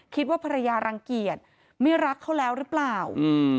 คิดว่าภรรยารังเกียจไม่รักเขาแล้วหรือเปล่า